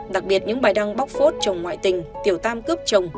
đặc biệt những bài đăng bóc phốt chồng ngoại tình tiểu tam cướp chồng